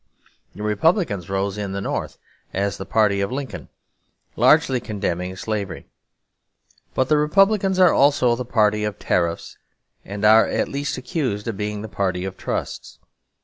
The Republicans rose in the North as the party of Lincoln, largely condemning slavery. But the Republicans are also the party of Tariffs, and are at least accused of being the party of Trusts.